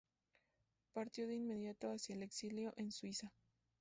Partió de inmediato hacia el exilio en Suiza.